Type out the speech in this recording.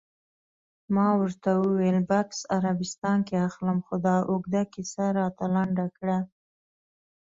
ما ورته وویل: بکس عربستان کې اخلم، خو دا اوږده کیسه راته لنډه کړه.